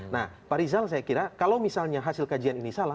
nah pak rizal saya kira kalau misalnya hasil kajian ini salah